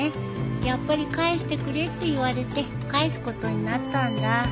やっぱり返してくれって言われて返すことになったんだ。